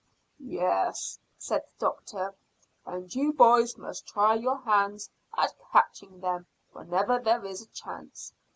"Yes," said the doctor, "and you boys must try your hands at catching them whenever there is a chance.